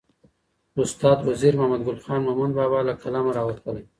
استاد وزیر محمدګل خان مومند بابا له قلمه راوتلې.